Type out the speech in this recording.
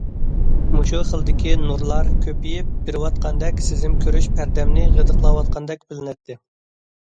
مۇشۇ خىلدىكى نۇرلار كۆپىيىپ بېرىۋاتقاندەك سېزىم كۆرۈش پەردەمنى غىدىقلاۋاتقاندەك بىلىنەتتى.